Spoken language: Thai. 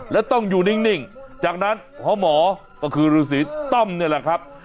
แล้วต้องอยู่นิ่งจากนั้นหมอก็คือฤษีต้อมนี่แหละครับ